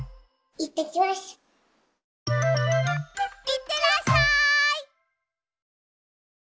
いってらっしゃい！